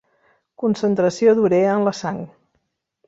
Concentració d'urea en la sang.